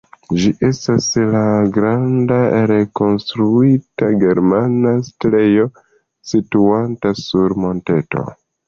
Ĝi estas la granda rekonstruita ĝermana setlejo situanta sur monteto.